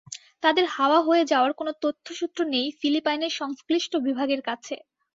তাঁদের হাওয়া হয়ে যাওয়ার কোনো তথ্যসূত্র নেই ফিলিপাইনের সংশ্লিষ্ট বিভাগের কাছে।